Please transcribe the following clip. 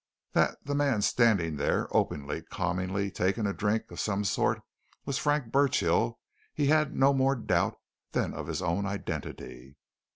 That the man standing there, openly, calmly, taking a drink of some sort, was Frank Burchill he had no more doubt than of his own identity.